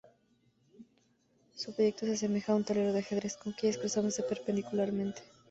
Su proyecto se asemeja a un tablero de ajedrez, con calles cruzándose perpendicularmente.